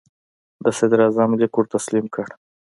د صدراعظم لیک ور تسلیم کړ.